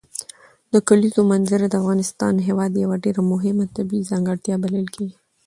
د کلیزو منظره د افغانستان هېواد یوه ډېره مهمه طبیعي ځانګړتیا بلل کېږي.